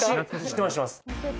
知ってます